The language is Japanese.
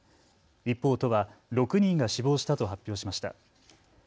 一方、都は６人が死亡したと発表しました。